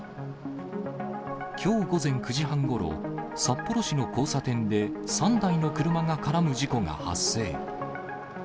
きょう午前９時半ごろ、札幌市の交差点で３台の車が絡む事故が発生。